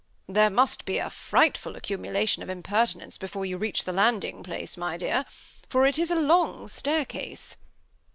" There must be a frightful accumulation of imper tinence before you reach the landing place, my dear; for it is a long staircase."